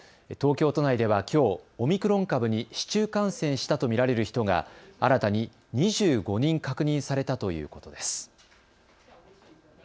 東京都内ではきょうオミクロン株に市中感染したと見られる人が新たに２５人確認されたということです。